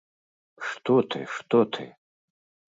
Што ты, што ты!